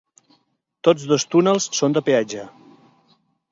Tots dos túnels són de peatge.